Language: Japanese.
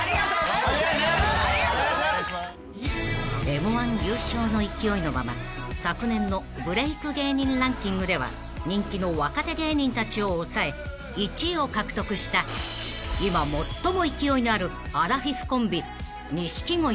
［Ｍ−１優勝の勢いのまま昨年のブレイク芸人ランキングでは人気の若手芸人たちを抑え１位を獲得した今最も勢いのあるアラフィフコンビ］